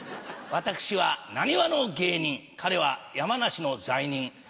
私は浪速の芸人彼は山梨の罪人。